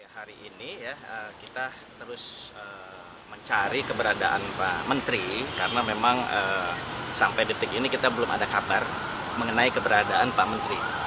hari ini kita terus mencari keberadaan pak menteri karena memang sampai detik ini kita belum ada kabar mengenai keberadaan pak menteri